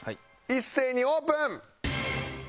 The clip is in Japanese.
一斉にオープン！